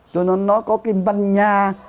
cho nên nó có cái manh nha